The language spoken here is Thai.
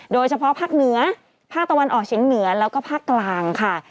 โดยเฉพาะภาคเหนือภาคตะวันออกเฉียงเหนือแล้วก็ภาคกลางค่ะ